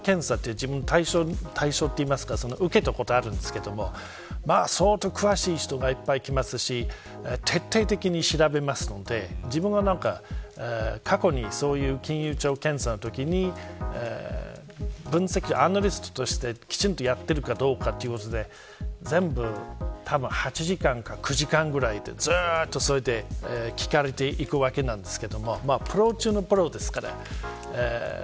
金融庁の検査の対象というか受けたことあるんですが相当詳しい人がいっぱい来ますし徹底的に調べますので自分は、過去に金融庁検査のときにアナリストとしてきちんとやってるかどうかということで全部で８時間か９時間ぐらいずっと聞かれていくわけなんですがプロ中のプロですからね。